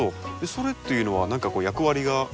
それっていうのは何か役割があるんですか？